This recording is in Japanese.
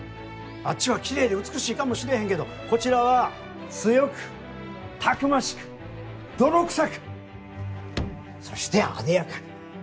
あっちはきれいで美しいかもしれへんけどこちらは「強く逞しく泥臭く」そして「艶やかに」。